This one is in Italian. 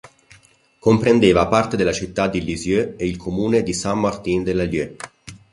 Comprendeva parte della città di Lisieux e il comune di Saint-Martin-de-la-Lieue.